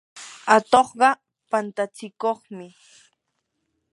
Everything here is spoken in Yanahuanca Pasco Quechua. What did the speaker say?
atuqqa pantatsikuqmi.